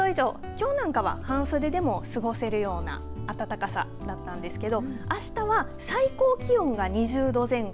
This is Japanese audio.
きょうなんかは半袖でも過ごせるような暖かさだったんですけどあしたは最高気温が２０度前後。